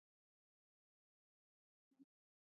تالابونه د افغانستان د ناحیو ترمنځ تفاوتونه رامنځ ته کوي.